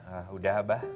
oh sudah abah